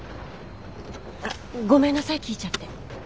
あっごめんなさい聞いちゃって。